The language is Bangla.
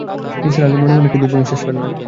নিসার আলি মনে-মনে একটি দীর্ঘনিঃশ্বাস ফেললেন।